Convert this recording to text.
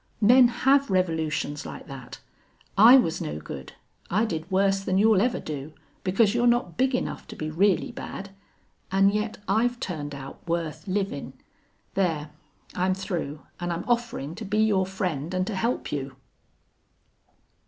Men have revolutions like that. I was no good. I did worse than you'll ever do, because you're not big enough to be really bad, an' yet I've turned out worth livin'.... There, I'm through, an' I'm offerin' to be your friend an' to help you."